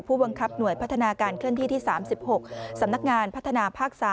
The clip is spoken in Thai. ผู้บังคับหน่วยพัฒนาการเคลื่อนที่ที่๓๖สำนักงานพัฒนาภาค๓